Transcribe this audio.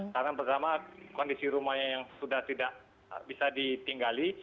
karena pertama kondisi rumahnya yang sudah tidak bisa ditinggali